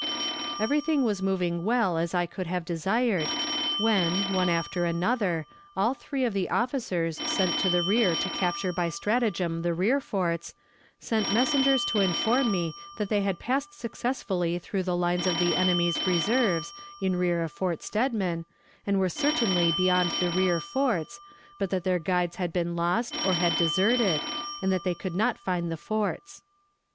"Everything was moving as well as I could have desired, when, one after another, all three of the officers, sent to the rear to capture by stratagem the rear forts, sent messengers to inform me that they had passed successfully through the lines of the enemy's reserves in rear of Fort Steadman, and were certainly beyond the rear forts, but that their guides had been lost or had deserted, and that they could not find the forts.